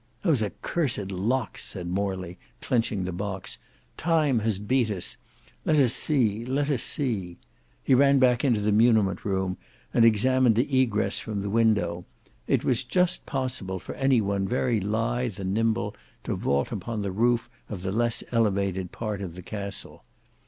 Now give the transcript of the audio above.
"Those accursed locks!" said Morley clenching the box. "Time has beat us. Let us see, let us see." He ran back into the mumment room and examined the egress from the window. It was just possible for any one very lithe and nimble to vault upon the roof of the less elevated part of the castle.